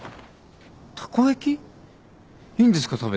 いいんですか？